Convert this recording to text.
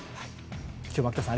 今日は牧田さん